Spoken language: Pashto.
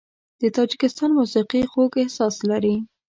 د تاجکستان موسیقي خوږ احساس لري.